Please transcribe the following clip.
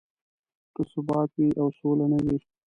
که ثبات وي او سوله نه وي.